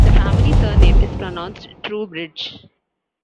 The family surname is pronounced "Troobridge".